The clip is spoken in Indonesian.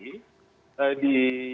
yang terjadi tadi